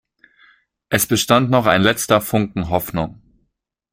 Es bestand noch ein letzter Funken Hoffnung.